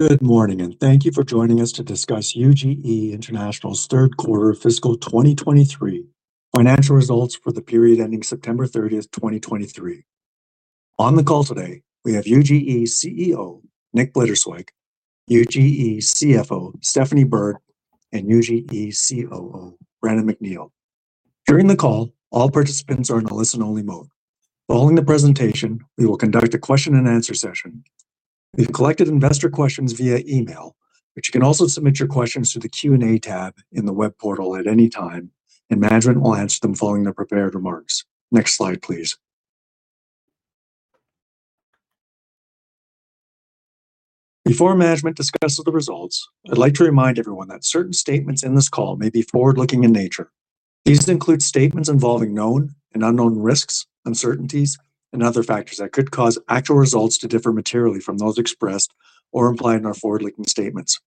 Good morning, and thank you for joining us to discuss UGE International's Q3 fiscal 2023 financial results for the period ending September 30, 2023. On the call today, we have UGE CEO, Nick Blitterswyk, UGE CFO, Stephanie Bird, and UGE COO, Brandon McNeil. During the call, all participants are in a listen-only mode. Following the presentation, we will conduct a question and answer session. We've collected investor questions via email, but you can also submit your questions through the Q&A tab in the web portal at any time, and management will answer them following their prepared remarks. Next slide, please. Before management discusses the results, I'd like to remind everyone that certain statements in this call may be forward-looking in nature. These include statements involving known and unknown risks, uncertainties, and other factors that could cause actual results to differ materially from those expressed or implied in our forward-looking statements.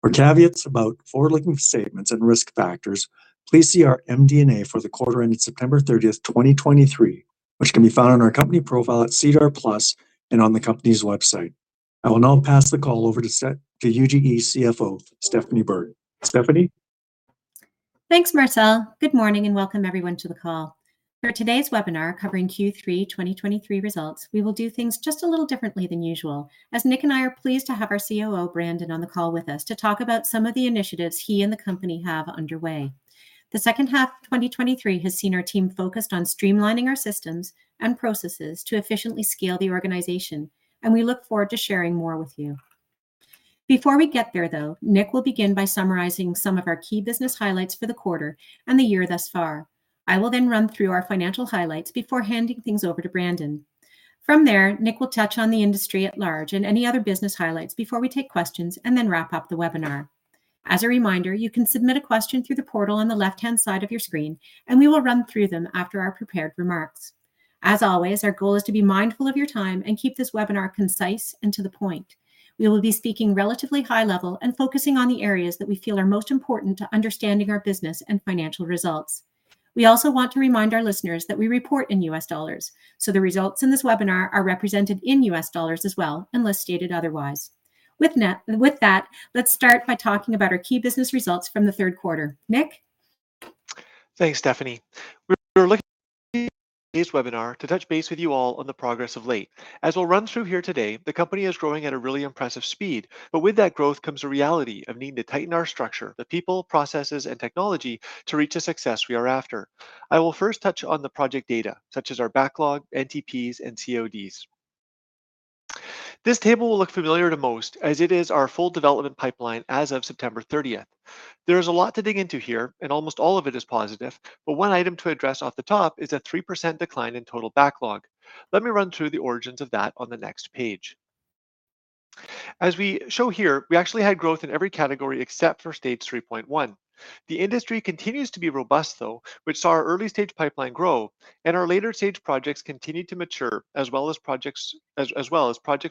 For caveats about forward-looking statements and risk factors, please see our MD&A for the quarter ended September 30, 2023, which can be found on our company profile at SEDAR+ and on the company's website. I will now pass the call over to our UGE CFO, Stephanie Bird. Stephanie? Thanks, Marcel. Good morning, and welcome everyone to the call. For today's webinar covering Q3 2023 results, we will do things just a little differently than usual, as Nick and I are pleased to have our COO, Brandon, on the call with us to talk about some of the initiatives he and the company have underway. The second half of 2023 has seen our team focused on streamlining our systems and processes to efficiently scale the organization, and we look forward to sharing more with you. Before we get there, though, Nick will begin by summarizing some of our key business highlights for the quarter and the year thus far. I will then run through our financial highlights before handing things over to Brandon. From there, Nick will touch on the industry at large and any other business highlights before we take questions and then wrap up the webinar. As a reminder, you can submit a question through the portal on the left-hand side of your screen, and we will run through them after our prepared remarks. As always, our goal is to be mindful of your time and keep this webinar concise and to the point. We will be speaking relatively high level and focusing on the areas that we feel are most important to understanding our business and financial results. We also want to remind our listeners that we report in US dollars, so the results in this webinar are represented in US dollars as well, unless stated otherwise. With that, let's start by talking about our key business results from the third quarter. Nick? Thanks, Stephanie. We're looking at this webinar to touch base with you all on the progress of late. As we'll run through here today, the company is growing at a really impressive speed, but with that growth comes the reality of needing to tighten our structure, the people, processes, and technology to reach the success we are after. I will first touch on the project data, such as our backlog, NTPs, and CODs. This table will look familiar to most, as it is our full development pipeline as of September 30. There is a lot to dig into here, and almost all of it is positive, but one item to address off the top is a 3% decline in total backlog. Let me run through the origins of that on the next page. As we show here, we actually had growth in every category except for stage 3.1. The industry continues to be robust, though, which saw our early-stage pipeline grow, and our later-stage projects continued to mature, as well as projects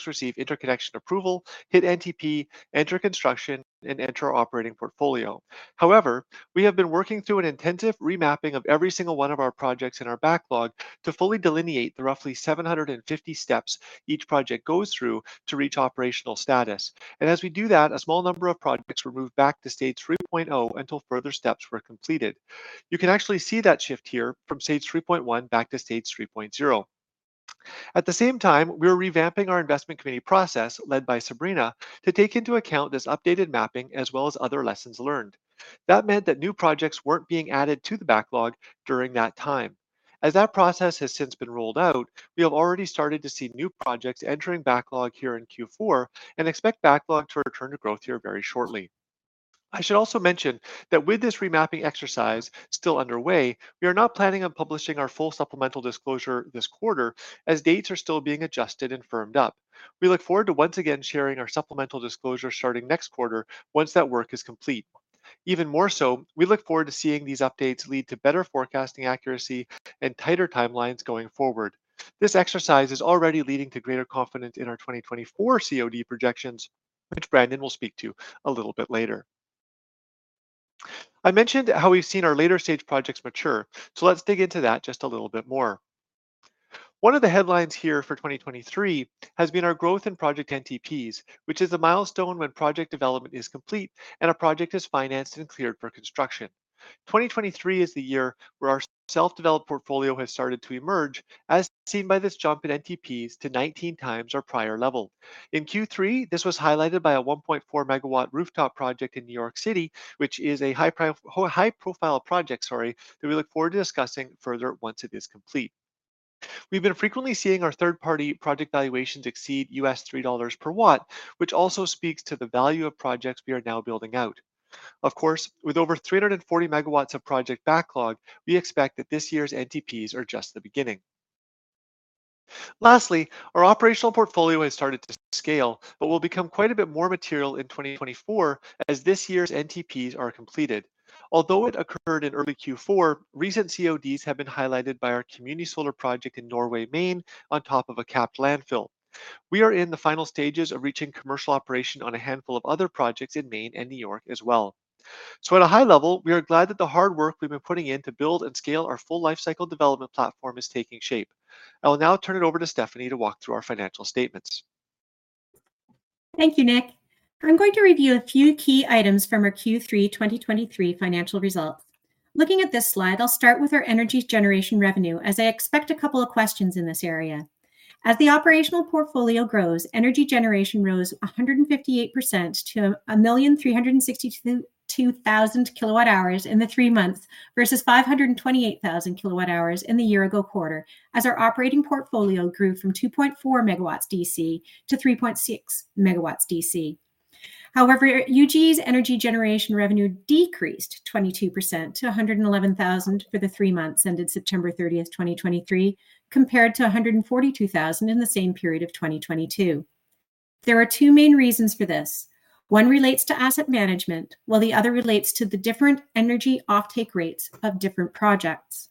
receive interconnection approval, hit NTP, enter construction, and enter our operating portfolio. However, we have been working through an intensive remapping of every single one of our projects in our backlog to fully delineate the roughly 750 steps each project goes through to reach operational status. And as we do that, a small number of projects were moved back to stage 3.0 until further steps were completed. You can actually see that shift here from stage 3.1 back to stage 3.0. At the same time, we are revamping our investment committee process, led by Sabrina, to take into account this updated mapping as well as other lessons learned. That meant that new projects weren't being added to the backlog during that time. As that process has since been rolled out, we have already started to see new projects entering backlog here in Q4 and expect backlog to return to growth here very shortly. I should also mention that with this remapping exercise still underway, we are not planning on publishing our full supplemental disclosure this quarter, as dates are still being adjusted and firmed up. We look forward to once again sharing our supplemental disclosure starting next quarter once that work is complete. Even more so, we look forward to seeing these updates lead to better forecasting accuracy and tighter timelines going forward. This exercise is already leading to greater confidence in our 2024 COD projections, which Brandon will speak to a little bit later. I mentioned how we've seen our later-stage projects mature, so let's dig into that just a little bit more. One of the headlines here for 2023 has been our growth in project NTPs, which is a milestone when project development is complete and a project is financed and cleared for construction. 2023 is the year where our self-developed portfolio has started to emerge, as seen by this jump in NTPs to 19 times our prior level. In Q3, this was highlighted by a 1.4-MW rooftop project in New York City, which is a high-profile project, sorry, that we look forward to discussing further once it is complete. We've been frequently seeing our third-party project valuations exceed $3 per watt, which also speaks to the value of projects we are now building out. Of course, with over 340 MW of project backlog, we expect that this year's NTPs are just the beginning. Lastly, our operational portfolio has started to scale but will become quite a bit more material in 2024 as this year's NTPs are completed. Although it occurred in early Q4, recent CODs have been highlighted by our community solar project in Norway, Maine, on top of a capped landfill. We are in the final stages of reaching commercial operation on a handful of other projects in Maine and New York as well. At a high level, we are glad that the hard work we've been putting in to build and scale our full lifecycle development platform is taking shape. I will now turn it over to Stephanie to walk through our financial statements. Thank you, Nick. I'm going to review a few key items from our Q3 2023 financial results. Looking at this slide, I'll start with our energy generation revenue, as I expect a couple of questions in this area. As the operational portfolio grows, energy generation rose 158% to 1,362,000 kWh in the three months, versus 528,000 kWh in the year ago quarter, as our operating portfolio grew from 2.4 megawatts DC to 3.6 megawatts DC. However, UGE's energy generation revenue decreased 22% to $111,000 for the three months ended September 30, 2023, compared to $142,000 in the same period of 2022. There are two main reasons for this. One relates to asset management, while the other relates to the different energy offtake rates of different projects.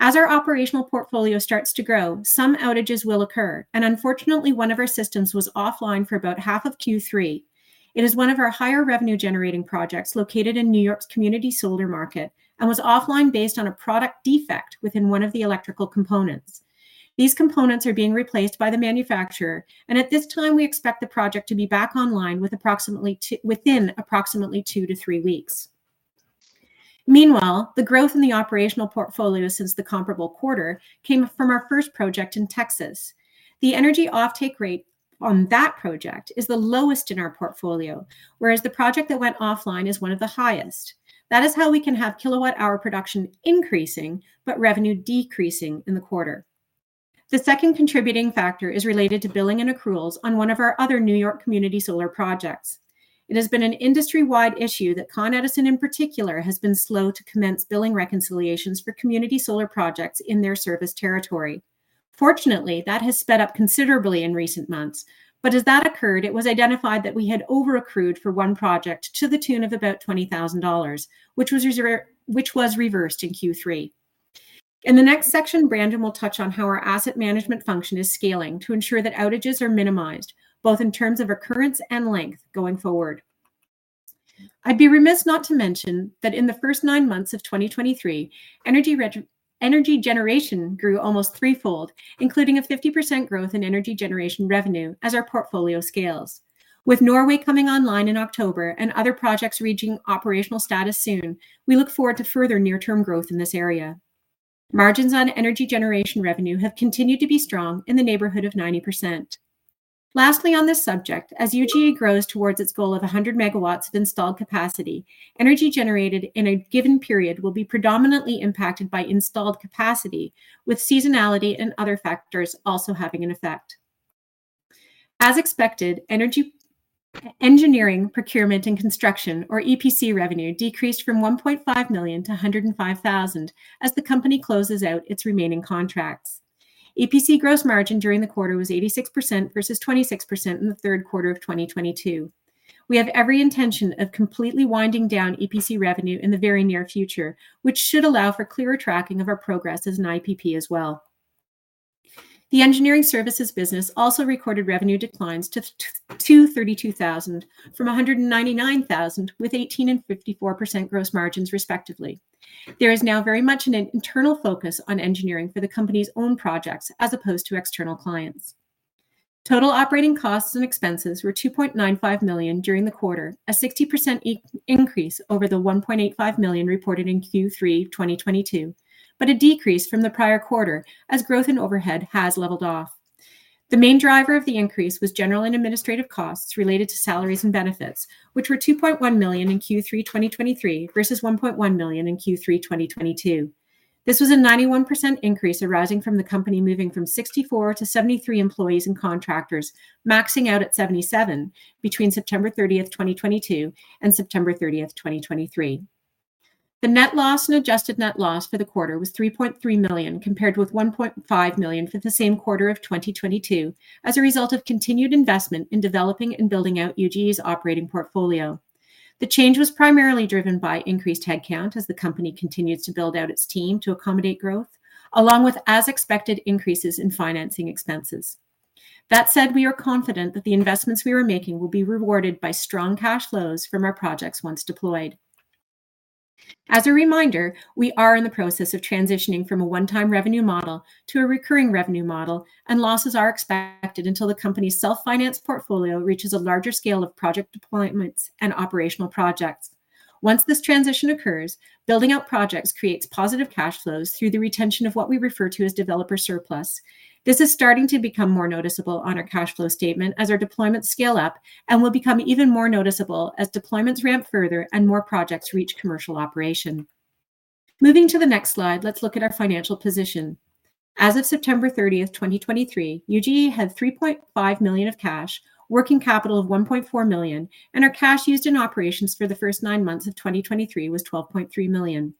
As our operational portfolio starts to grow, some outages will occur, and unfortunately, one of our systems was offline for about half of Q3. It is one of our higher revenue-generating projects located in New York's community solar market, and was offline based on a product defect within one of the electrical components. These components are being replaced by the manufacturer, and at this time, we expect the project to be back online within approximately 2-3 weeks. Meanwhile, the growth in the operational portfolio since the comparable quarter came from our first project in Texas. The energy offtake rate on that project is the lowest in our portfolio, whereas the project that went offline is one of the highest. That is how we can have kilowatt hour production increasing, but revenue decreasing in the quarter. The second contributing factor is related to billing and accruals on one of our other New York community solar projects. It has been an industry-wide issue that Con Edison, in particular, has been slow to commence billing reconciliations for community solar projects in their service territory. Fortunately, that has sped up considerably in recent months, but as that occurred, it was identified that we had overaccrued for one project to the tune of about $20,000, which was reversed in Q3. In the next section, Brandon will touch on how our asset management function is scaling to ensure that outages are minimized, both in terms of occurrence and length going forward. I'd be remiss not to mention that in the first 9 months of 2023, energy generation grew almost threefold, including a 50% growth in energy generation revenue as our portfolio scales. With Norway coming online in October and other projects reaching operational status soon, we look forward to further near-term growth in this area. Margins on energy generation revenue have continued to be strong in the neighborhood of 90%. Lastly, on this subject, as UGE grows towards its goal of 100 MW of installed capacity, energy generated in a given period will be predominantly impacted by installed capacity, with seasonality and other factors also having an effect. As expected, engineering, procurement, and construction, or EPC revenue, decreased from $1.5 million to $105,000 as the company closes out its remaining contracts. EPC gross margin during the quarter was 86% versus 26% in the third quarter of 2022. We have every intention of completely winding down EPC revenue in the very near future, which should allow for clearer tracking of our progress as an IPP as well. The engineering services business also recorded revenue declines to $32,000 from $199,000, with 18% and 54% gross margins, respectively. There is now very much an internal focus on engineering for the company's own projects as opposed to external clients. Total operating costs and expenses were $2.95 million during the quarter, a 60% increase over the $1.85 million reported in Q3 2022, but a decrease from the prior quarter as growth in overhead has leveled off. The main driver of the increase was general and administrative costs related to salaries and benefits, which were $2.1 million in Q3 2023 versus $1.1 million in Q3 2022. This was a 91% increase arising from the company moving from 64 to 73 employees and contractors, maxing out at 77 between September 30, 2022, and September 30, 2023. The net loss and adjusted net loss for the quarter was $3.3 million, compared with $1.5 million for the same quarter of 2022, as a result of continued investment in developing and building out UGE's operating portfolio. The change was primarily driven by increased headcount as the company continues to build out its team to accommodate growth, along with as-expected increases in financing expenses. That said, we are confident that the investments we are making will be rewarded by strong cash flows from our projects once deployed. As a reminder, we are in the process of transitioning from a one-time revenue model to a recurring revenue model, and losses are expected until the company's self-finance portfolio reaches a larger scale of project deployments and operational projects. Once this transition occurs, building out projects creates positive cash flows through the retention of what we refer to as developer surplus. This is starting to become more noticeable on our cash flow statement as our deployments scale up and will become even more noticeable as deployments ramp further and more projects reach commercial operation. Moving to the next slide, let's look at our financial position. As of September 30, 2023, UGE had $3.5 million of cash, working capital of $1.4 million, and our cash used in operations for the first nine months of 2023 was $12.3 million.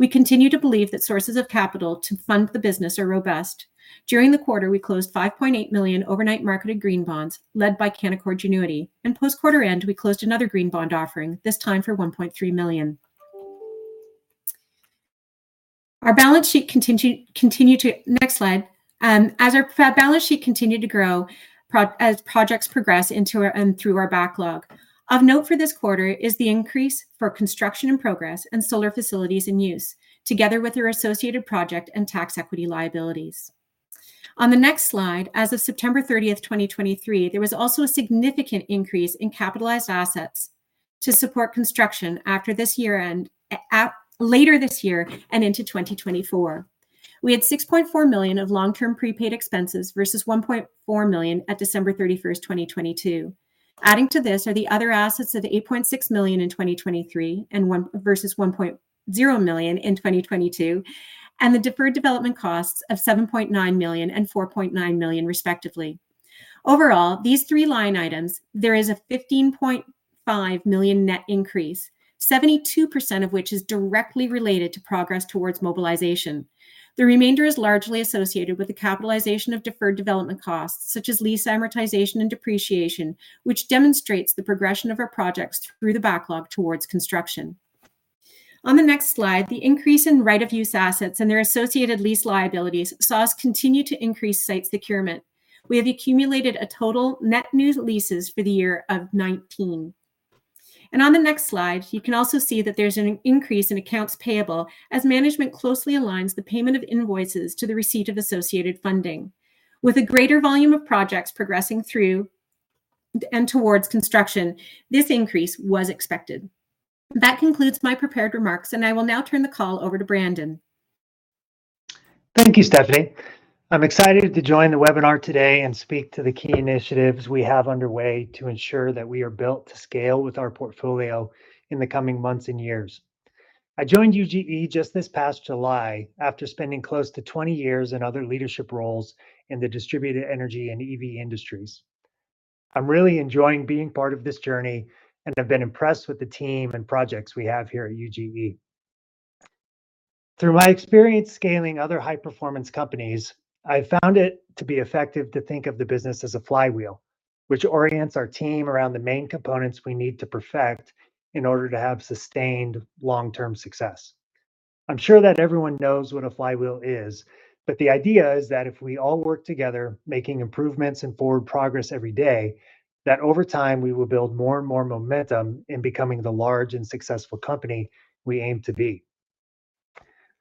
We continue to believe that sources of capital to fund the business are robust. During the quarter, we closed $5.8 million overnight marketed green bonds led by Canaccord Genuity, and post-quarter end, we closed another green bond offering, this time for $1.3 million. Our balance sheet continued to grow as projects progress into and through our backlog. Of note for this quarter is the increase for construction in progress and solar facilities in use, together with their associated project and tax equity liabilities. On the next slide, as of September 30, 2023, there was also a significant increase in capitalized assets to support construction after this year-end, at, later this year and into 2024. We had $6.4 million of long-term prepaid expenses versus $1.4 million at December 31, 2022. Adding to this are the other assets of $8.6 million in 2023 and 2024, versus $1.0 million in 2022, and the deferred development costs of $7.9 million and $4.9 million respectively. Overall, these three line items, there is a $15.5 million net increase, 72% of which is directly related to progress towards mobilization. The remainder is largely associated with the capitalization of deferred development costs, such as lease amortization and depreciation, which demonstrates the progression of our projects through the backlog towards construction. On the next slide, the increase in right-of-use assets and their associated lease liabilities saw us continue to increase site procurement. We have accumulated a total net new leases for the year of 19. On the next slide, you can also see that there's an increase in accounts payable as management closely aligns the payment of invoices to the receipt of associated funding. With a greater volume of projects progressing through and towards construction, this increase was expected. That concludes my prepared remarks, and I will now turn the call over to Brandon. Thank you, Stephanie. I'm excited to join the webinar today and speak to the key initiatives we have underway to ensure that we are built to scale with our portfolio in the coming months and years. I joined UGE just this past July, after spending close to 20 years in other leadership roles in the distributed energy and EV industries. I'm really enjoying being part of this journey, and I've been impressed with the team and projects we have here at UGE. Through my experience scaling other high-performance companies, I found it to be effective to think of the business as a flywheel, which orients our team around the main components we need to perfect in order to have sustained long-term success. I'm sure that everyone knows what a flywheel is, but the idea is that if we all work together, making improvements and forward progress every day, that over time, we will build more and more momentum in becoming the large and successful company we aim to be.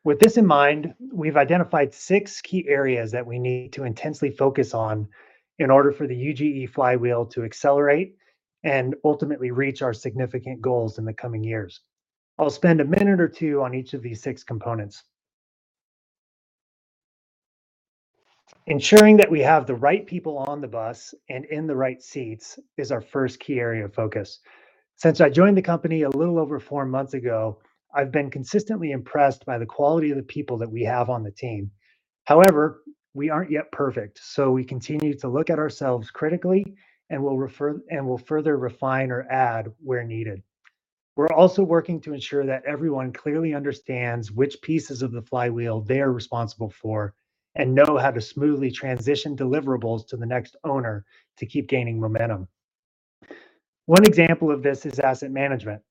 With this in mind, we've identified six key areas that we need to intensely focus on in order for the UGE flywheel to accelerate and ultimately reach our significant goals in the coming years. I'll spend a minute or two on each of these six components. Ensuring that we have the right people on the bus and in the right seats is our first key area of focus. Since I joined the company a little over four months ago, I've been consistently impressed by the quality of the people that we have on the team. However, we aren't yet perfect, so we continue to look at ourselves critically, and we'll further refine or add where needed. We're also working to ensure that everyone clearly understands which pieces of the flywheel they are responsible for and know how to smoothly transition deliverables to the next owner to keep gaining momentum. One example of this is asset management.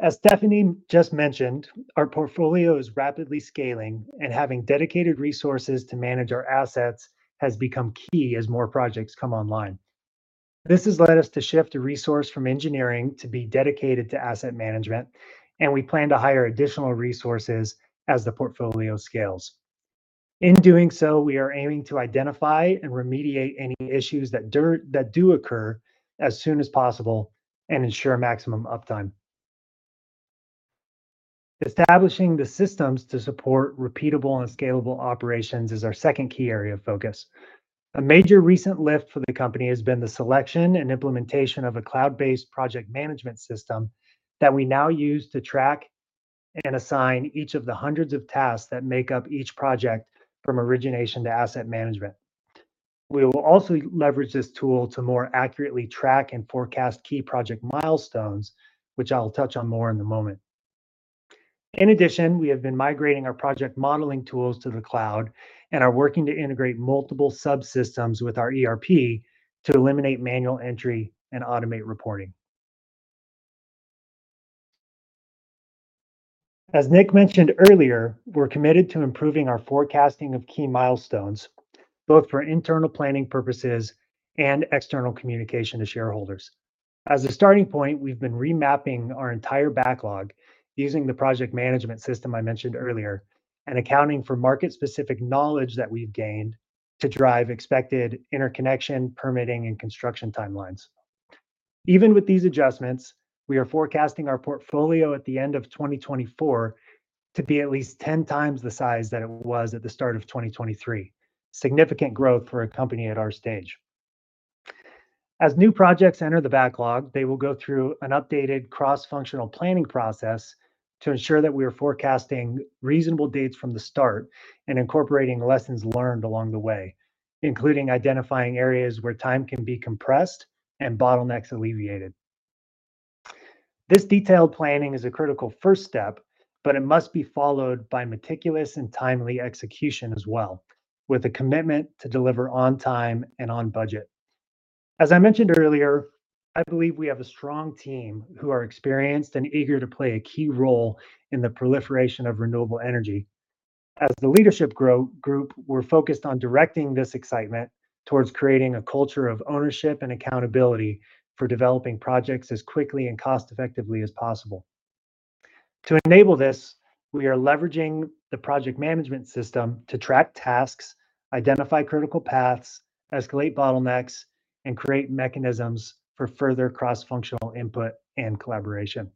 As Stephanie just mentioned, our portfolio is rapidly scaling, and having dedicated resources to manage our assets has become key as more projects come online. This has led us to shift a resource from engineering to be dedicated to asset management, and we plan to hire additional resources as the portfolio scales. In doing so, we are aiming to identify and remediate any issues that do occur as soon as possible and ensure maximum uptime. Establishing the systems to support repeatable and scalable operations is our second key area of focus. A major recent lift for the company has been the selection and implementation of a cloud-based project management system that we now use to track and assign each of the hundreds of tasks that make up each project from origination to asset management. We will also leverage this tool to more accurately track and forecast key project milestones, which I'll touch on more in a moment. In addition, we have been migrating our project modeling tools to the cloud and are working to integrate multiple subsystems with our ERP to eliminate manual entry and automate reporting. As Nick mentioned earlier, we're committed to improving our forecasting of key milestones, both for internal planning purposes and external communication to shareholders. As a starting point, we've been remapping our entire backlog using the project management system I mentioned earlier, and accounting for market-specific knowledge that we've gained to drive expected interconnection, permitting, and construction timelines. Even with these adjustments, we are forecasting our portfolio at the end of 2024 to be at least 10 times the size that it was at the start of 2023. Significant growth for a company at our stage. As new projects enter the backlog, they will go through an updated cross-functional planning process to ensure that we are forecasting reasonable dates from the start and incorporating lessons learned along the way, including identifying areas where time can be compressed and bottlenecks alleviated. This detailed planning is a critical first step, but it must be followed by meticulous and timely execution as well, with a commitment to deliver on time and on budget.... As I mentioned earlier, I believe we have a strong team who are experienced and eager to play a key role in the proliferation of renewable energy. As the leadership group, we're focused on directing this excitement towards creating a culture of ownership and accountability for developing projects as quickly and cost-effectively as possible. To enable this, we are leveraging the project management system to track tasks, identify critical paths, escalate bottlenecks, and create mechanisms for further cross-functional input and collaboration.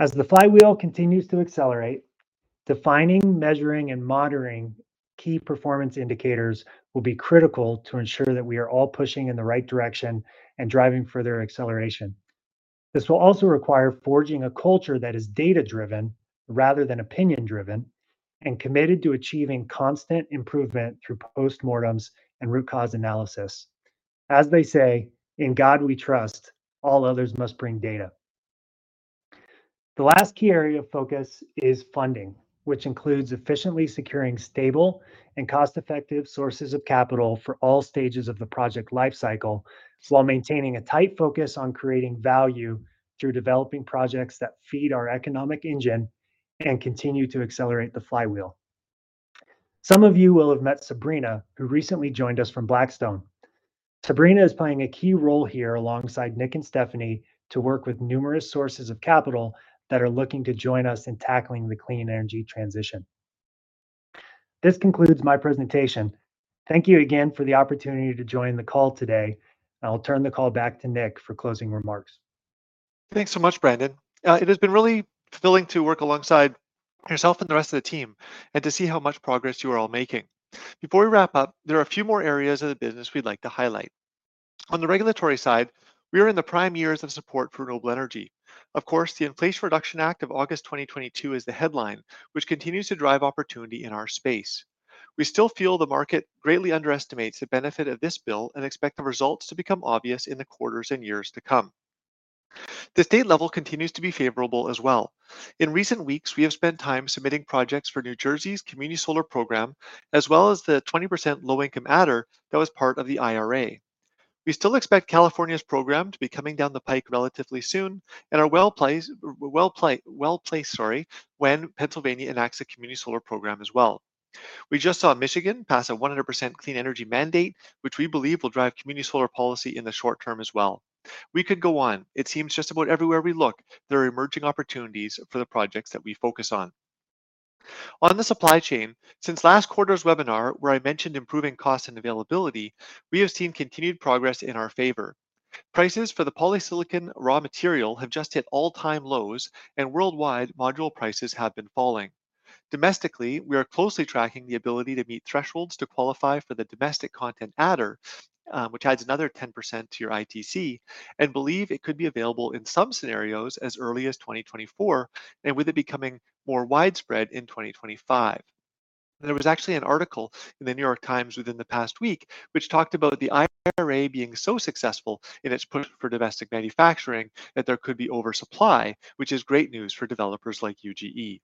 As the flywheel continues to accelerate, defining, measuring, and monitoring key performance indicators will be critical to ensure that we are all pushing in the right direction and driving further acceleration. This will also require forging a culture that is data-driven rather than opinion-driven, and committed to achieving constant improvement through postmortems and root cause analysis. As they say, in God we trust, all others must bring data. The last key area of focus is funding, which includes efficiently securing stable and cost-effective sources of capital for all stages of the project lifecycle, while maintaining a tight focus on creating value through developing projects that feed our economic engine and continue to accelerate the flywheel. Some of you will have met Sabrina, who recently joined us from Blackstone. Sabrina is playing a key role here alongside Nick and Stephanie to work with numerous sources of capital that are looking to join us in tackling the clean energy transition. This concludes my presentation. Thank you again for the opportunity to join the call today, and I'll turn the call back to Nick for closing remarks. Thanks so much, Brandon. It has been really fulfilling to work alongside yourself and the rest of the team, and to see how much progress you are all making. Before we wrap up, there are a few more areas of the business we'd like to highlight. On the regulatory side, we are in the prime years of support for renewable energy. Of course, the Inflation Reduction Act of August 2022 is the headline, which continues to drive opportunity in our space. We still feel the market greatly underestimates the benefit of this bill and expect the results to become obvious in the quarters and years to come. The state level continues to be favorable as well. In recent weeks, we have spent time submitting projects for New Jersey's community solar program, as well as the 20% low-income adder that was part of the IRA. We still expect California's program to be coming down the pike relatively soon and are well-placed, sorry, when Pennsylvania enacts a community solar program as well. We just saw Michigan pass a 100% clean energy mandate, which we believe will drive community solar policy in the short term as well. We could go on. It seems just about everywhere we look, there are emerging opportunities for the projects that we focus on. On the supply chain, since last quarter's webinar, where I mentioned improving cost and availability, we have seen continued progress in our favor. Prices for the polysilicon raw material have just hit all-time lows, and worldwide, module prices have been falling. Domestically, we are closely tracking the ability to meet thresholds to qualify for the domestic content adder, which adds another 10% to your ITC, and believe it could be available in some scenarios as early as 2024, and with it becoming more widespread in 2025. There was actually an article in the New York Times within the past week, which talked about the IRA being so successful in its push for domestic manufacturing that there could be oversupply, which is great news for developers like UGE.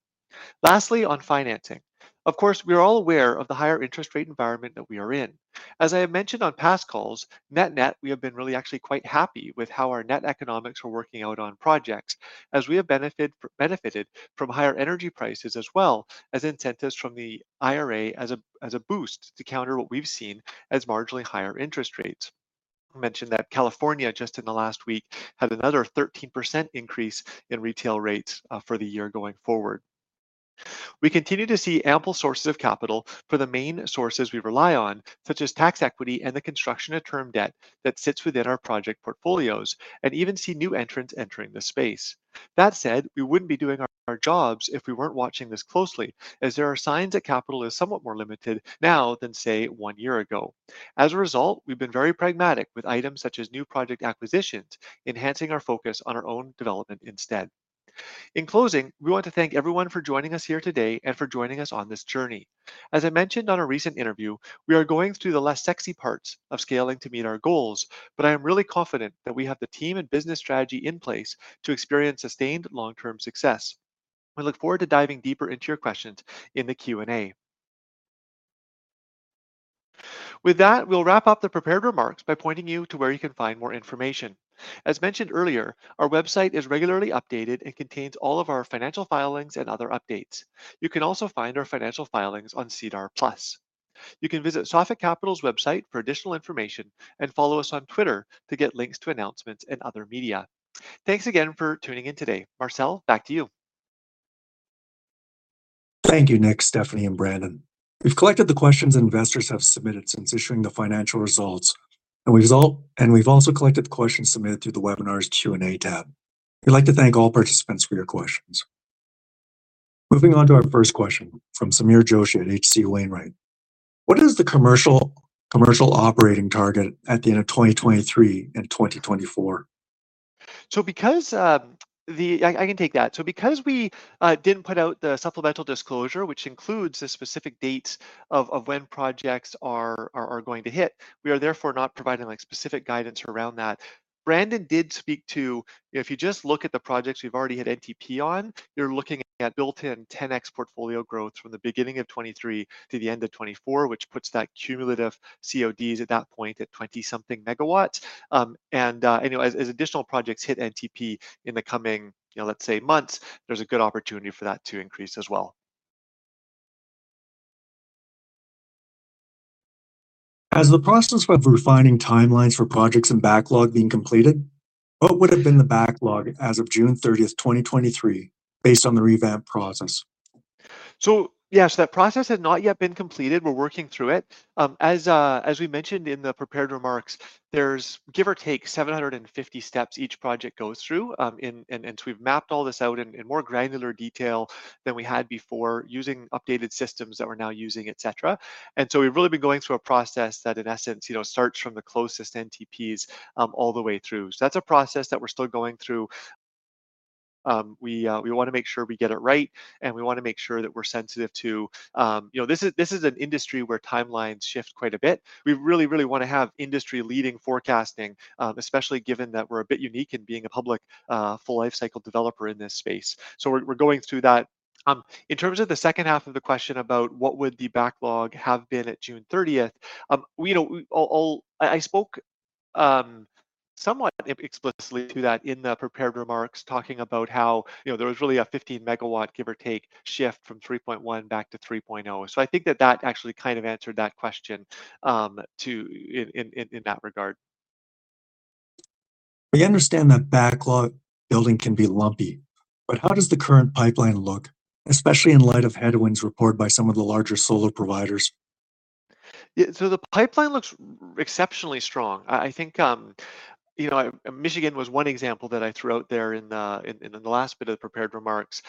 Lastly, on financing. Of course, we are all aware of the higher interest rate environment that we are in. As I have mentioned on past calls, net-net, we have been really actually quite happy with how our net economics are working out on projects, as we have benefited from higher energy prices, as well as incentives from the IRA as a boost to counter what we've seen as marginally higher interest rates. I mentioned that California, just in the last week, had another 13% increase in retail rates for the year going forward. We continue to see ample sources of capital for the main sources we rely on, such as tax equity and the construction-to-term debt that sits within our project portfolios, and even see new entrants entering the space. That said, we wouldn't be doing our jobs if we weren't watching this closely, as there are signs that capital is somewhat more limited now than, say, one year ago. As a result, we've been very pragmatic with items such as new project acquisitions, enhancing our focus on our own development instead. In closing, we want to thank everyone for joining us here today and for joining us on this journey. As I mentioned on a recent interview, we are going through the less sexy parts of scaling to meet our goals, but I am really confident that we have the team and business strategy in place to experience sustained long-term success. We look forward to diving deeper into your questions in the Q&A. With that, we'll wrap up the prepared remarks by pointing you to where you can find more information. As mentioned earlier, our website is regularly updated and contains all of our financial filings and other updates. You can also find our financial filings on SEDAR+. You can visit Sophic Capital's website for additional information and follow us on Twitter to get links to announcements and other media. Thanks again for tuning in today. Marcel, back to you. Thank you, Nick, Stephanie, and Brandon. We've collected the questions investors have submitted since issuing the financial results, and we've also collected the questions submitted through the webinar's Q&A tab. We'd like to thank all participants for your questions. Moving on to our first question from Sameer Joshi at H.C. Wainwright: What is the commercial, commercial operating target at the end of 2023 and 2024? I can take that. Because we didn't put out the supplemental disclosure, which includes the specific dates of when projects are going to hit. We are therefore not providing, like, specific guidance around that. Brandon did speak to, if you just look at the projects we've already had NTP on, you're looking at built-in 10x portfolio growth from the beginning of 2023 to the end of 2024, which puts that cumulative CODs at that point at 20-something MW. And you know, as additional projects hit NTP in the coming, you know, let's say months, there's a good opportunity for that to increase as well. Has the process of refining timelines for projects and backlog been completed? What would have been the backlog as of June 30th, 2023, based on the revamped process? So yes, that process has not yet been completed. We're working through it. As we mentioned in the prepared remarks, there's give or take 750 steps each project goes through, and so we've mapped all this out in more granular detail than we had before, using updated systems that we're now using, et cetera. We've really been going through a process that, in essence, you know, starts from the closest NTPs all the way through. That's a process that we're still going through. We want to make sure we get it right, and we want to make sure that we're sensitive to, you know, this is an industry where timelines shift quite a bit. We really, really want to have industry-leading forecasting, especially given that we're a bit unique in being a public, full lifecycle developer in this space. So we're going through that. In terms of the second half of the question about what would the backlog have been at June 30? I spoke somewhat explicitly to that in the prepared remarks, talking about how, you know, there was really a 15-megawatt, give or take, shift from 3.1 back to 3.0, so I think that that actually kind of answered that question, too, in that regard. We understand that backlog building can be lumpy, but how does the current pipeline look, especially in light of headwinds reported by some of the larger solar providers? Yeah, so the pipeline looks exceptionally strong. I think, you know, Michigan was one example that I threw out there in the last bit of prepared remarks.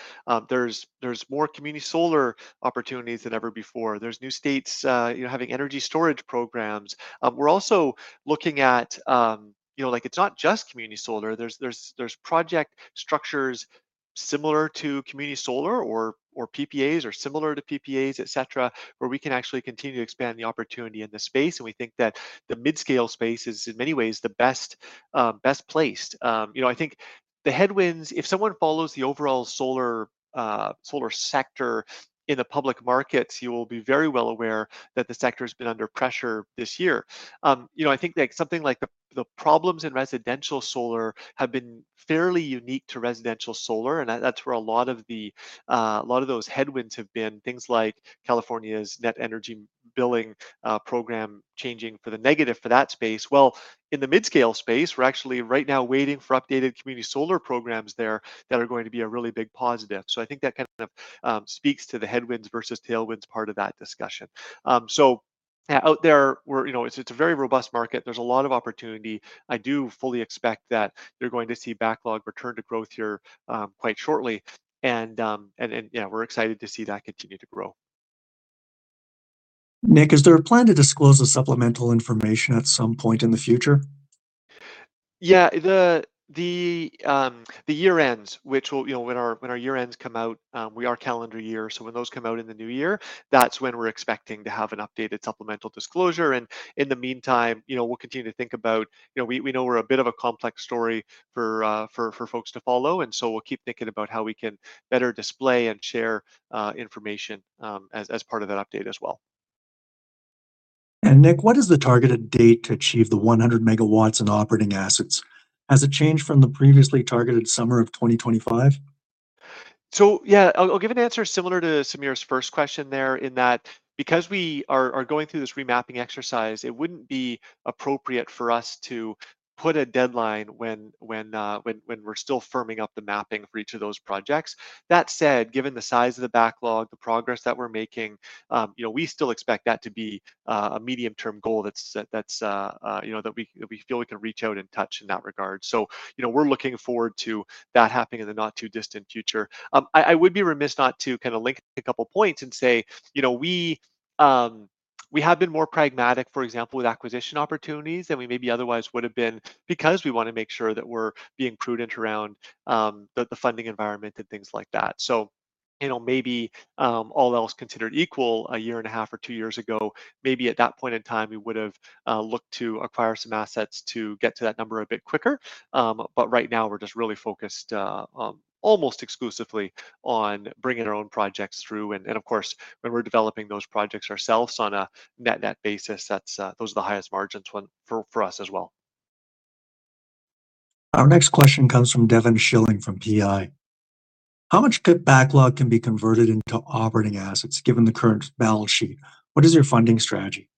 There's more community solar opportunities than ever before. There's new states, you know, having energy storage programs. We're also looking at, you know, like, it's not just community solar. There's project structures similar to community solar or PPAs, or similar to PPAs, et cetera, where we can actually continue to expand the opportunity in this space, and we think that the mid-scale space is, in many ways, the best placed. You know, I think the headwinds, if someone follows the overall solar sector in the public markets, you will be very well aware that the sector has been under pressure this year. Something like the problems in residential solar have been fairly unique to residential solar, and that's where a lot of the a lot of those headwinds have been, things like California's Net Energy Billing program, changing for the negative for that space. Well, in the mid-scale space, we're actually right now waiting for updated community solar programs there that are going to be a really big positive. That kind of speaks to the headwinds versus tailwinds part of that discussion. So yeah, out there, we're, you know, it's a very robust market. There's a lot of opportunity. I do fully expect that you're going to see backlog return to growth here, quite shortly, and yeah, we're excited to see that continue to grow. Nick, is there a plan to disclose the supplemental information at some point in the future? Yeah, the year-ends, which will, you know, when our year-ends come out, we are calendar year, so when those come out in the new year, that's when we're expecting to have an updated supplemental disclosure. In the meantime, you know, we'll continue to think about, you know, we know we're a bit of a complex story for folks to follow, and so we'll keep thinking about how we can better display and share information as part of that update as well. Nick, what is the targeted date to achieve the 100 MW in operating assets? Has it changed from the previously targeted summer of 2025? I'll give an answer similar to Sameer first question there, in that because we are going through this remapping exercise, it wouldn't be appropriate for us to put a deadline when we're still firming up the mapping for each of those projects. That said, given the size of the backlog, the progress that we're making, you know, we still expect that to be a medium-term goal that's, you know, that we feel we can reach out and touch in that regard. We're looking forward to that happening in the not-too-distant future. I would be remiss not to kind of link a couple points and say, you know, we have been more pragmatic, for example, with acquisition opportunities than we maybe otherwise would have been, because we want to make sure that we're being prudent around the funding environment and things like that. Maybe all else considered equal, a year and a half or two years ago, maybe at that point in time, we would have looked to acquire some assets to get to that number a bit quicker, but right now, we're just really focused almost exclusively on bringing our own projects through. And of course, when we're developing those projects ourselves on a net-net basis, that's those are the highest margins for us as well. Our next question comes from Devin Schilling, from PI: How much good backlog can be converted into operating assets, given the current balance sheet? What is your funding strategy?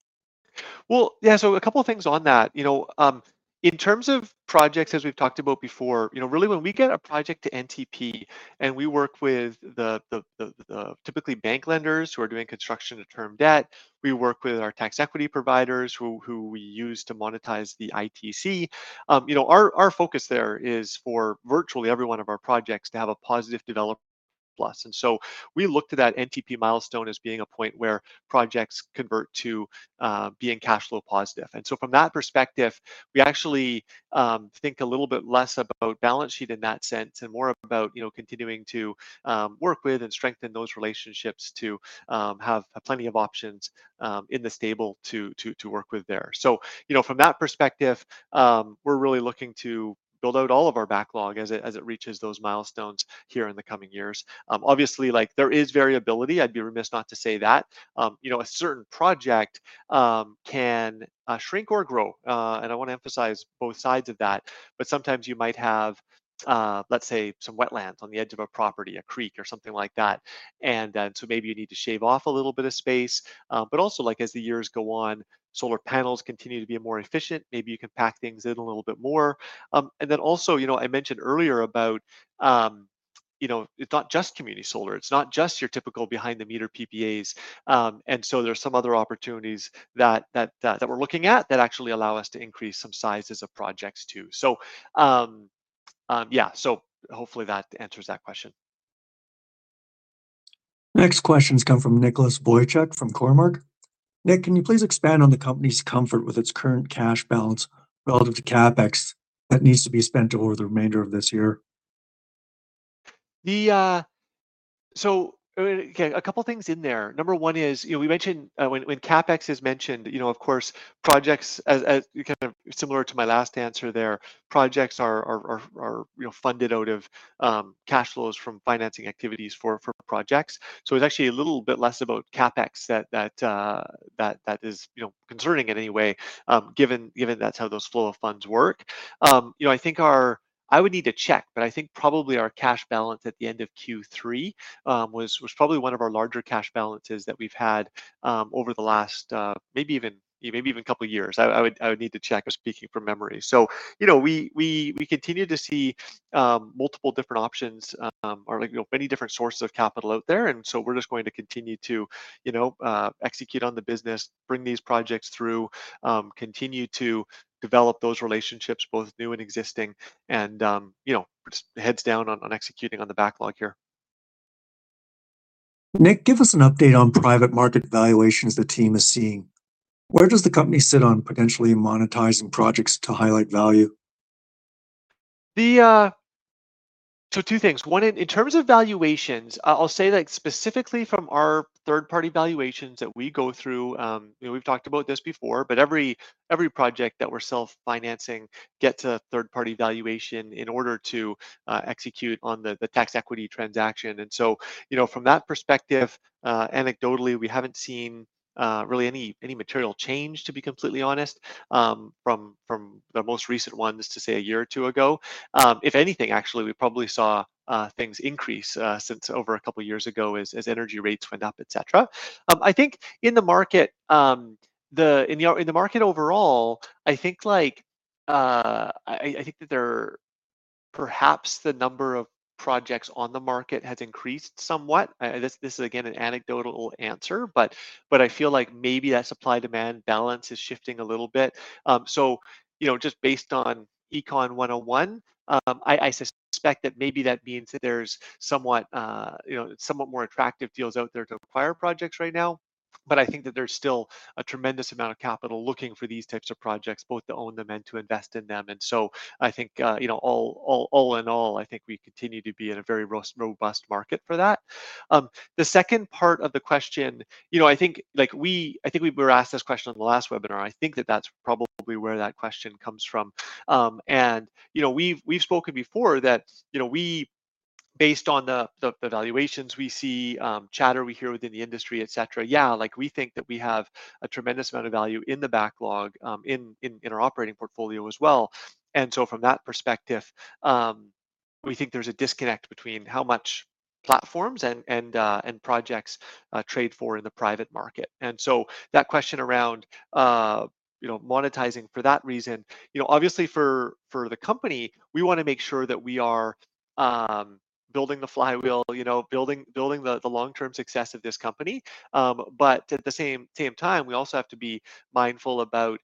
Well, yeah, so a couple of things on that. You know, in terms of projects, as we've talked about before, you know, really when we get a project to NTP and we work with the typically bank lenders who are doing construction to term debt, we work with our tax equity providers, who we use to monetize the ITC. Our focus there is for virtually every one of our projects to have a positive development surplus. And so we look to that NTP milestone as being a point where projects convert to being cash flow positive. From that perspective, we actually think a little bit less about balance sheet in that sense, and more about, you know, continuing to work with and strengthen those relationships to-... Have plenty of options in the stable to work with there. So, you know, from that perspective, we're really looking to build out all of our backlog as it reaches those milestones here in the coming years. Obviously, like, there is variability. I'd be remiss not to say that. You know, a certain project can shrink or grow, and I want to emphasize both sides of that, but sometimes you might have, let's say, some wetlands on the edge of a property, a creek or something like that. And then, so maybe you need to shave off a little bit of space, but also, like, as the years go on, solar panels continue to be more efficient. Maybe you can pack things in a little bit more. Then also, you know, I mentioned earlier about, it's not just community solar, it's not just your typical behind-the-meter PPAs, and so there are some other opportunities that we're looking at that actually allow us to increase some sizes of projects too. Hopefully that answers that question. Next questions come from Nicholas Boychuk from Cormark. Nick, can you please expand on the company's comfort with its current cash balance relative to CapEx that needs to be spent over the remainder of this year? A couple things in there. Number one is, you know, we mentioned when CapEx is mentioned of course, projects, as kind of similar to my last answer there, projects are funded out of cash flows from financing activities for projects. It's actually a little bit less about CapEx that is, you know, concerning in any way, given that's how those flow of funds work. I would need to check, but I think probably our cash balance at the end of Q3 was probably one of our larger cash balances that we've had over the last maybe even a couple of years. I would need to check. I'm speaking from memory. We continue to see multiple different options, like, you know, many different sources of capital out there, and so we're just going to continue to, you know, execute on the business, bring these projects through, continue to develop those relationships, both new and existing, and, you know, just heads down on executing on the backlog here. Nick, give us an update on private market valuations the team is seeing. Where does the company sit on potentially monetizing projects to highlight value? Two things. One, in terms of valuations, I'll say that specifically from our third-party valuations that we go through, you know, we've talked about this before, but every project that we're self-financing gets a third-party valuation in order to execute on the tax equity transaction. From that perspective, anecdotally, we haven't seen really any material change, to be completely honest, from the most recent ones to, say, a year or two ago. If anything, actually, we probably saw things increase since over a couple of years ago as energy rates went up, et cetera. I think in the market, you know, in the market overall, I think, like, I think that there perhaps the number of projects on the market has increased somewhat. This is, again, an anecdotal answer, but I feel like maybe that supply-demand balance is shifting a little bit. Just based on Econ 101, I suspect that maybe that means that there's somewhat somewhat more attractive deals out there to acquire projects right now. But I think that there's still a tremendous amount of capital looking for these types of projects, both to own them and to invest in them. We continue to be in a very robust market for that. The second part of the question, you know, I think, like, we were asked this question on the last webinar. I think that that's probably where that question comes from. We've spoken before that, you know, we, based on the valuations we see, chatter we hear within the industry, et cetera, yeah, like, we think that we have a tremendous amount of value in the backlog, in our operating portfolio as well. From that perspective, we think there's a disconnect between how much platforms and projects trade for in the private market. That question around, you know, monetizing for that reason, you know, obviously for the company, we want to make sure that we are building the flywheel, you know, building the long-term success of this company. At the same time, we also have to be mindful about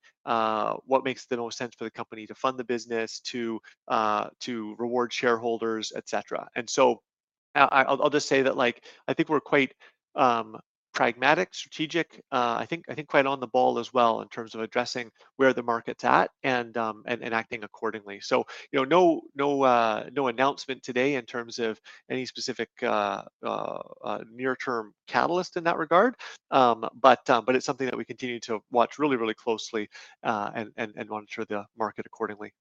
what makes the most sense for the company to fund the business, to reward shareholders, et cetera. And so I'll just say that, like, I think we're quite pragmatic, strategic, I think quite on the ball as well in terms of addressing where the market's at and acting accordingly. So, you know, no announcement today in terms of any specific near-term catalyst in that regard, but it's something that we continue to watch really, really closely and monitor the market accordingly.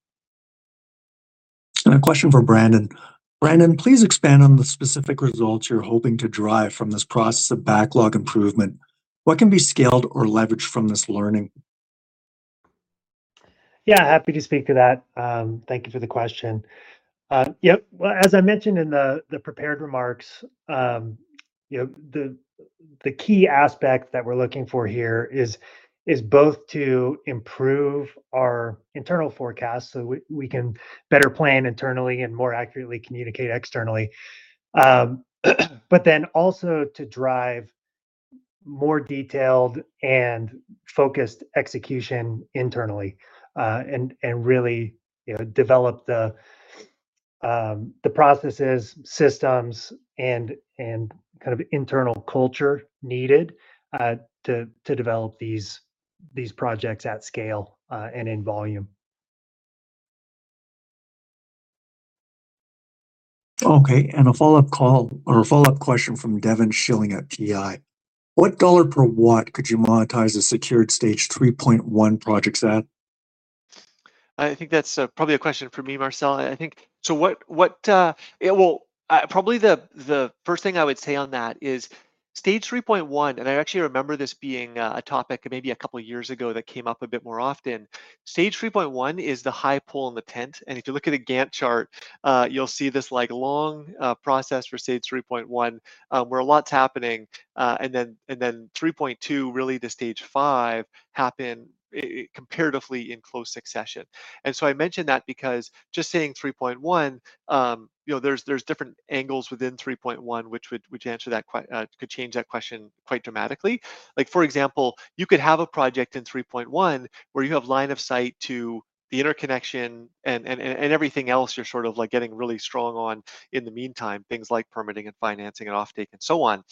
A question from Brandon. Brandon, please expand on the specific results you're hoping to derive from this process of backlog improvement. What can be scaled or leveraged from this learning? Yeah, happy to speak to that. Thank you for the question. Yep, well, as I mentioned in the prepared remarks, you know, the key aspect that we're looking for here is both to improve our internal forecast, so we can better plan internally and more accurately communicate externally. Then also to drive more detailed and focused execution internally, and really, you know, develop the processes, systems, and kind of internal culture needed to develop these projects at scale, and in volume. Okay, and a follow-up call or a follow-up question from Devon Schilling at PI. What dollar per watt could you monetize a secured stage 3.1 projects at? I think that's probably a question for me, Marcel. I think so what yeah, well, probably the first thing I would say on that is stage 3.1, and I actually remember this being a topic maybe a couple of years ago that came up a bit more often. Stage 3.1 is the high pole in the tent, and if you look at a Gantt chart, you'll see this like long process for stage 3.1 where a lot's happening, and then 3.2 really to stage 5 happen comparatively in close succession. And so I mention that because just saying 3.1 you know there's different angles within 3.1 which would which answer that que- could change that question quite dramatically. Like, for example, you could have a project in 3.1, where you have line of sight to the interconnection and everything else you're sort of, like, getting really strong on in the meantime, things like permitting and financing and offtake and so on.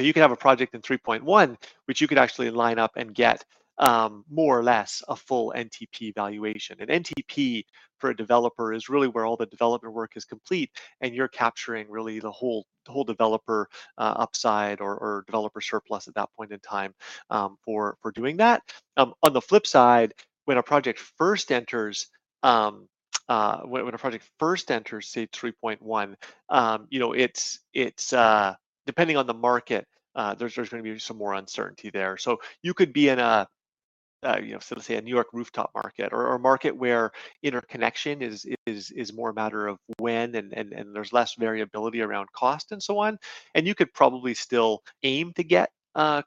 You could have a project in 3.1, which you could actually line up and get more or less a full NTP valuation. An NTP for a developer is really where all the developer work is complete, and you're capturing really the whole developer upside or developer surplus at that point in time for doing that. On the flip side, when a project first enters, say 3.1, you know, it's depending on the market, there's going to be some more uncertainty there. You could be in a, you know, sort of, say, a New York rooftop market or a market where interconnection is more a matter of when, and there's less variability around cost and so on. You could probably still aim to get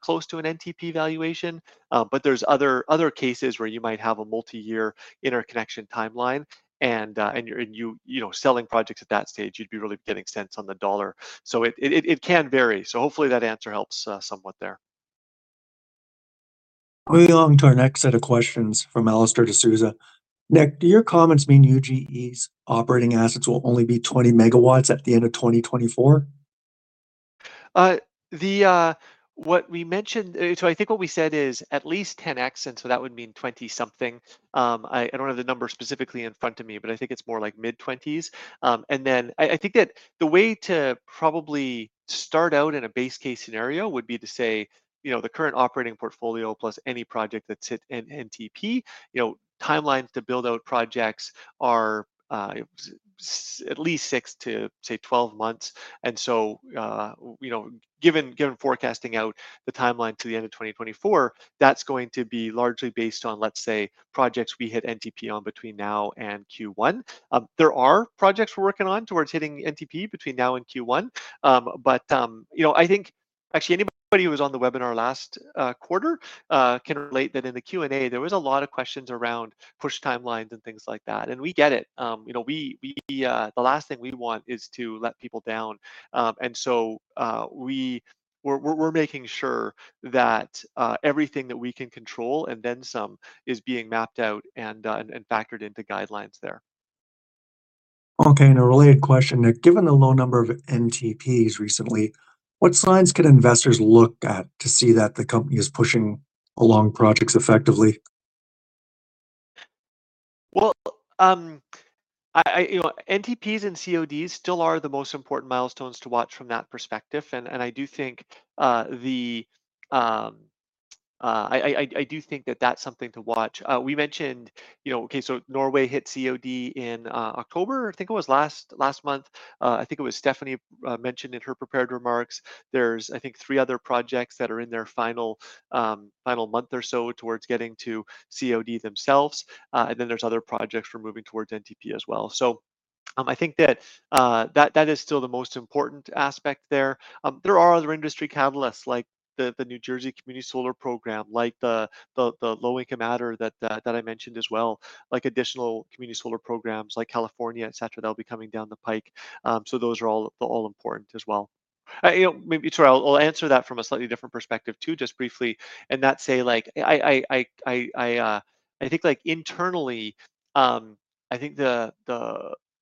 close to an NTP valuation, but there's other cases where you might have a multi-year interconnection timeline and you're, you know, selling projects at that stage, you'd be really getting cents on the dollar, so it can vary. Hopefully that answer helps somewhat there. Moving on to our next set of questions from Alistair de Souza. Nick, do your comments mean UGE's operating assets will only be 20 megawatts at the end of 2024? What we mentioned. So I think what we said is at least 10x, and so that would mean twenty-something. I don't have the number specifically in front of me, but I think it's more like mid-20s. And then I think that the way to probably start out in a base case scenario would be to say, you know, the current operating portfolio plus any project that's hit NTP. You know, timelines to build out projects are at least 6-12 months, and so, you know, given forecasting out the timeline to the end of 2024, that's going to be largely based on, let's say, projects we hit NTP on between now and Q1. There are projects we're working on towards hitting NTP between now and Q1. Actually anybody who was on the webinar last quarter can relate that in the Q&A, there was a lot of questions around push timelines and things like that, and we get it. You know, we the last thing we want is to let people down. And so, we're making sure that everything that we can control, and then some, is being mapped out and done and factored into guidelines there. Okay, and a related question. Nick, given the low number of NTPs recently, what signs can investors look at to see that the company is pushing along projects effectively? Well, you know, NTPs and CODs still are the most important milestones to watch from that perspective, and I do think that that's something to watch. We mentioned, you know, okay, so Norway hit COD in October, I think it was last month. I think it was Stephanie mentioned in her prepared remarks. There's, I think, three other projects that are in their final month or so towards getting to COD themselves, and then there's other projects we're moving towards NTP as well. So, I think that that is still the most important aspect there. There are other industry catalysts, like the New Jersey Community Solar Program, like the low-income adder that I mentioned as well, like additional community solar programs like California, et cetera, that'll be coming down the pike. So those are all—they're all important as well. You know, maybe, sure, I'll answer that from a slightly different perspective, too, just briefly, and not say, like, internally, I think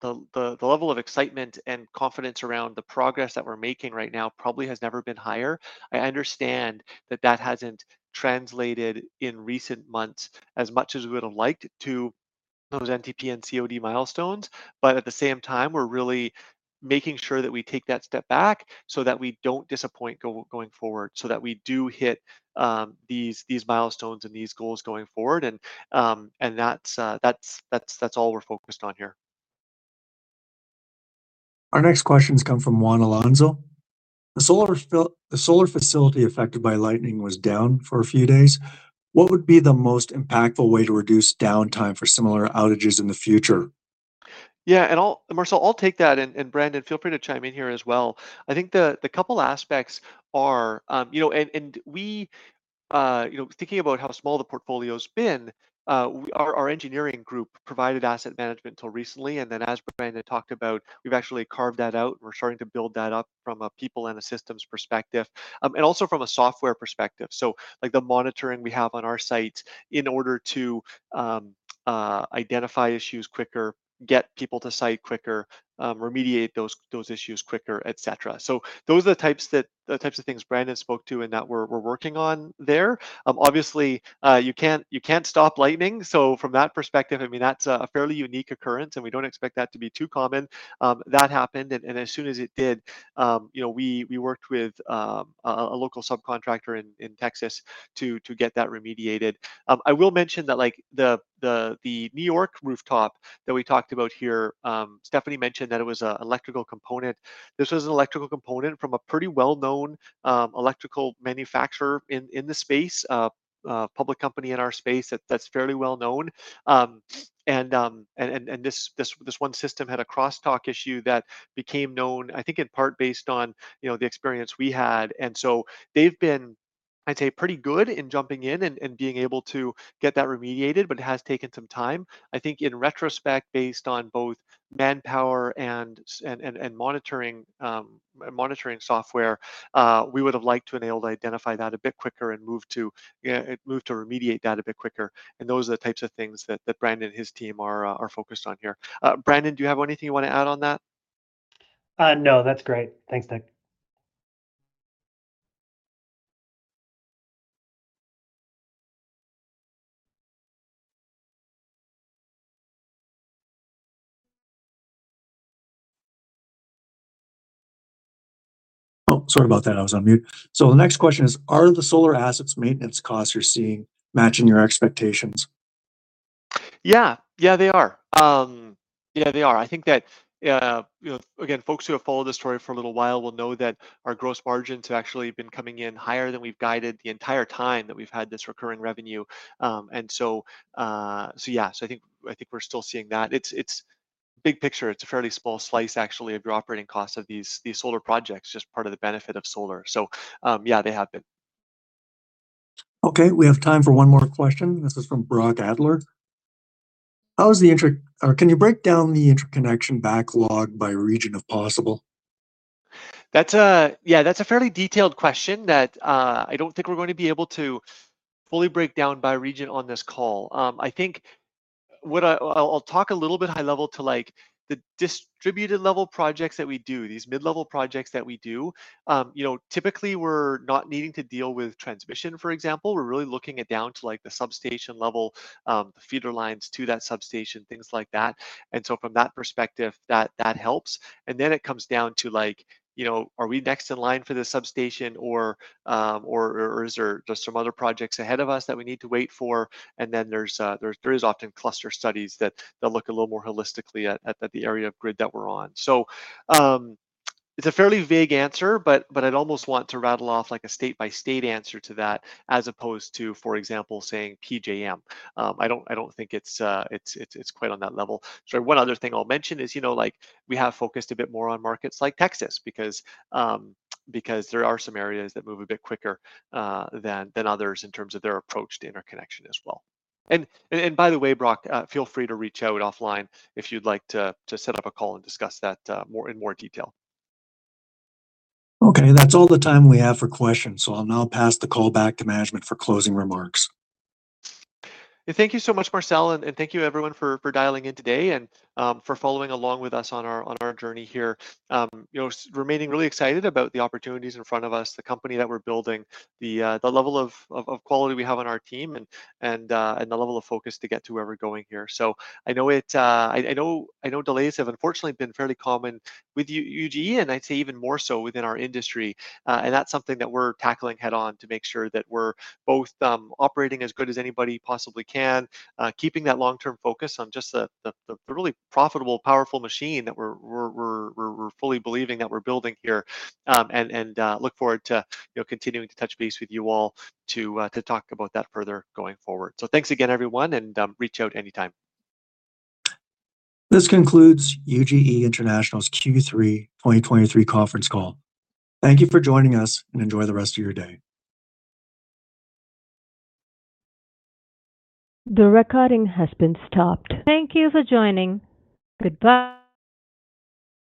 the level of excitement and confidence around the progress that we're making right now probably has never been higher. I understand that that hasn't translated in recent months as much as we would have liked to those NTP and COD milestones, but at the same time, we're really making sure that we take that step back so that we don't disappoint going forward, so that we do hit these milestones and these goals going forward. That's all we're focused on here. Our next questions come from Juan Alonso. The solar facility affected by lightning was down for a few days. What would be the most impactful way to reduce downtime for similar outages in the future? Yeah, and I'll... Marcel, I'll take that, and Brandon, feel free to chime in here as well. I think the couple aspects are, you know, thinking about how small the portfolio's been, our engineering group provided asset management until recently, and then as Brandon talked about, we've actually carved that out, and we're starting to build that up from a people and a systems perspective, and also from a software perspective. So, like the monitoring we have on our sites in order to identify issues quicker, get people to site quicker, remediate those issues quicker, et cetera. So those are the types of things Brandon spoke to and that we're working on there. Obviously, you can't stop lightning. From that perspective, I mean, that's a fairly unique occurrence, and we don't expect that to be too common. That happened, and as soon as it did, you know, we worked with a local subcontractor in Texas to get that remediated. I will mention that, like, the New York rooftop that we talked about here, Stephanie mentioned that it was a electrical component. This was an electrical component from a pretty well-known electrical manufacturer in the space, a public company in our space that's fairly well known. And this one system had a crosstalk issue that became known, I think, in part, based on, you know, the experience we had. They've been, I'd say, pretty good in jumping in and being able to get that remediated, but it has taken some time. I think in retrospect, based on both manpower and monitoring software, we would have liked to been able to identify that a bit quicker and move to remediate that a bit quicker, and those are the types of things that Brandon and his team are focused on here. Brandon, do you have anything you want to add on that? No, that's great. Thanks, Nick. Oh, sorry about that. I was on mute. The next question is, "Are the solar assets maintenance costs you're seeing matching your expectations? Yeah. Yeah, they are. Yeah, they are. I think that, you know, again, folks who have followed this story for a little while will know that our gross margins have actually been coming in higher than we've guided the entire time that we've had this recurring revenue. And so, so yeah, so I think, I think we're still seeing that. It's big picture, it's a fairly small slice, actually, of your operating costs of these solar projects, just part of the benefit of solar. So, yeah, they have been. Okay, we have time for one more question. This is from Brock Adler. "How is the interconnection... Or can you break down the interconnection backlog by region, if possible? Yeah, that's a fairly detailed question that, I don't think we're going to be able to fully break down by region on this call. I think I'll talk a little bit high level to, like, the distributed level projects that we do, these mid-level projects that we do. You know, typically, we're not needing to deal with transmission, for example. We're really looking at down to, like, the substation level, the feeder lines to that substation, things like that. And so from that perspective, that helps. And then it comes down to, like, you know, are we next in line for this substation or is there just some other projects ahead of us that we need to wait for? There is often cluster studies that they'll look a little more holistically at the area of grid that we're on. So, it's a fairly vague answer, but I'd almost want to rattle off, like, a state-by-state answer to that, as opposed to, for example, saying PJM. I don't think it's quite on that level. So one other thing I'll mention is, you know, like, we have focused a bit more on markets like Texas, because there are some areas that move a bit quicker than others in terms of their approach to interconnection as well. And by the way, Brock, feel free to reach out offline if you'd like to set up a call and discuss that more in more detail. Okay, that's all the time we have for questions, so I'll now pass the call back to management for closing remarks. Thank you so much, Marcel, and thank you, everyone, for dialing in today and for following along with us on our journey here. You know, remaining really excited about the opportunities in front of us, the company that we're building, the level of quality we have on our team, and the level of focus to get to where we're going here. So I know it... I know delays have unfortunately been fairly common with UGE, and I'd say even more so within our industry, and that's something that we're tackling head-on to make sure that we're both operating as good as anybody possibly can, keeping that long-term focus on just the really profitable, powerful machine that we're fully believing that we're building here. And look forward to, you know, continuing to touch base with you all to talk about that further going forward. So thanks again, everyone, and reach out anytime. This concludes UGE International's Q3 2023 conference call. Thank you for joining us, and enjoy the rest of your day. The recording has been stopped. Thank you for joining. Goodbye.